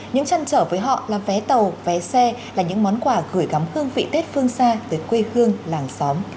những trăn trở với họ là vé tàu vé xe là những món quà gửi gắm hương vị tết phương xa tới quê hương làng xóm